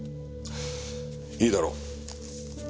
いいだろう。